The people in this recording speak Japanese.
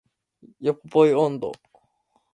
ヨポポイ音頭